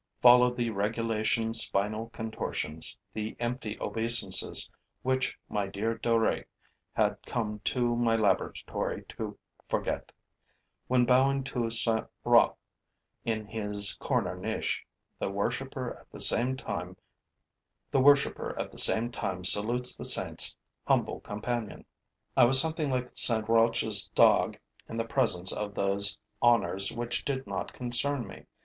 Followed the regulation spinal contortions, the empty obeisances which my dear Duruy had come to my laboratory to forget. When bowing to St. Roch, in his corner niche, the worshipper at the same time salutes the saint's humble companion. I was something like St. Roch's dog in the presence of those honors which did not concern me.